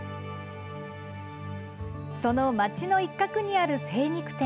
その町の一角にある精肉店。